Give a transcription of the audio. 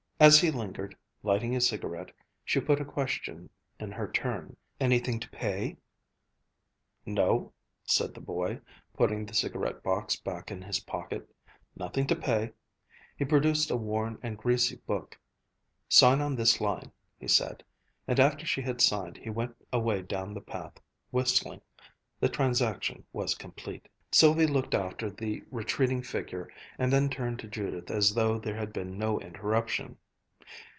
As he lingered, lighting a cigarette, she put a question in her turn, "Anything to pay?" "No," said the boy, putting the cigarette box back in his pocket, "Nothing to pay." He produced a worn and greasy book, "Sign on this line," he said, and after she had signed, he went away down the path, whistling. The transaction was complete. Sylvia looked after the retreating figure and then turned to Judith as though there had been no interruption.